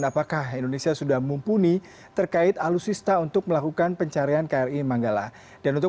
apakah indonesia sudah mumpuni terkait alutsista untuk melakukan pencarian kri manggala dan untuk